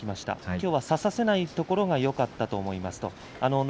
きょうは差させないところがよかった。